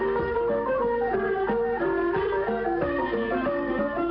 สวัสดีครับ